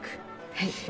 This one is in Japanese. はい。